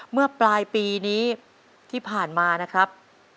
เมื่อปลายปีนี้ที่ผ่านมานะครับ